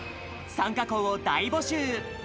参加校を大募集。